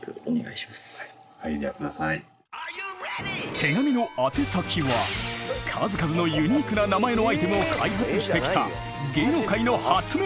手紙の宛先は数々のユニークな名前のアイテムを開発してきた芸能界の発明